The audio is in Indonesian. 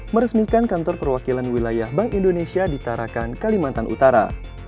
meresmikan kantor perwakilan wilayah bank indonesia di tarakan kalimantan utara